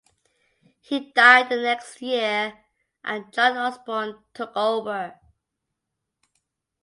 He died the next year and John Osborn took over.